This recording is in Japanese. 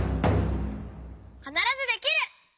「かならずできる！」。